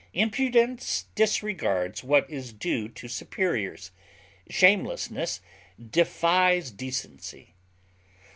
Impudence disregards what is due to superiors; shamelessness defies decency.